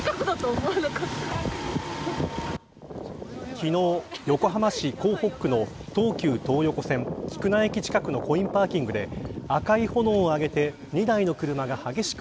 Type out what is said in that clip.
昨日、横浜市港北区の東急東横線、菊名駅近くのコインパーキングで赤い炎を上げて２台の車が激しく